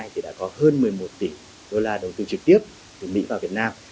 thì đã có hơn một mươi một tỷ đô la đầu tư trực tiếp từ mỹ vào việt nam